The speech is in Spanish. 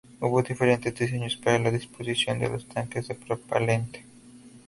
Hubo diferentes diseños para la disposición de los tanques de propelente.